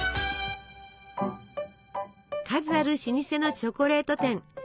数ある老舗のチョコレート店。